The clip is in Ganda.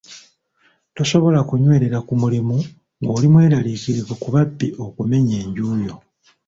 Tosobola kunywerera ku mulimu ng'oli mweraliikirivu ku babbi okumenya enju yo.